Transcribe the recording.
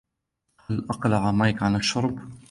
هل أقلع مايك عن الشرب ؟